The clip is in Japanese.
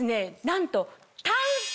なんと。